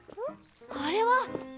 あれは？